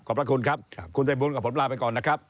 พระคุณครับคุณภัยบูลกับผมลาไปก่อนนะครับ